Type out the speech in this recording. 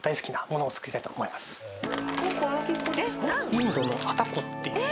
インドのアタ粉っていう。